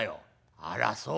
「あらそう。